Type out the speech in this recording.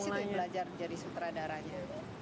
kamu mulai belajar jadi sutradaranya gitu